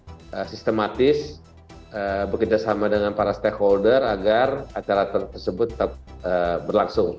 kami secara operatif sistematis bekerjasama dengan para stakeholder agar acara tersebut berlangsung